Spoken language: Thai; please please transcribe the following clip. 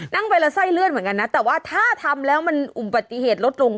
นั่งไปแล้วไส้เลื่อนเหมือนกันนะแต่ว่าถ้าทำแล้วมันอุบัติเหตุลดลง